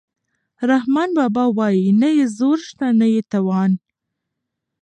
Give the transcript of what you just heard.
رحمان بابا وايي نه یې زور شته نه یې توان.